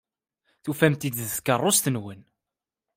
Tufam-t-id deg tkeṛṛust-nwen?